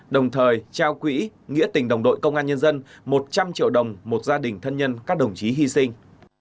đồng thời trao quỹ nghĩa tình đồng đội công an nhân dân một trăm linh triệu đồng một gia đình thân nhân các đồng chí hy sinh